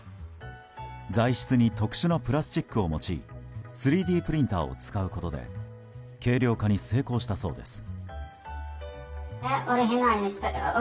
材質に特殊なプラスチックを用い３Ｄプリンターを使うことで軽量化に成功したそうです。